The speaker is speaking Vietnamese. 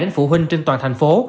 đến phụ huynh trên toàn thành phố